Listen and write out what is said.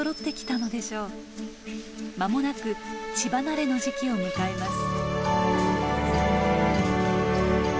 まもなく乳離れの時期を迎えます。